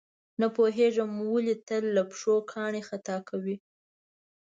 نه پوهېږم ولې تل له پښو کاڼي خطا کوي.